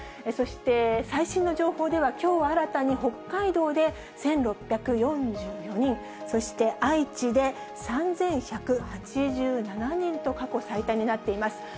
そして、最新の情報では、きょう新たに北海道で１６４４人、そして愛知で３１８７人と、過去最多になっています。